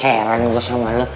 heran gua sama lu